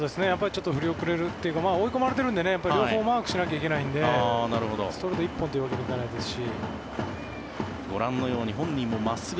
ちょっと振り遅れるというか追い込まれているので両方マークしなければいけないのでストレート一本というわけにはいかないですし。